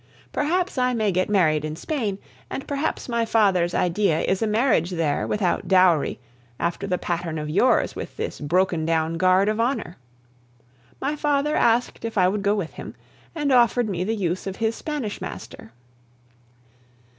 Perhaps I may get married in Spain, and perhaps my father's idea is a marriage there without dowry, after the pattern of yours with this broken down guard of honor. My father asked if I would go with him, and offered me the use of his Spanish master.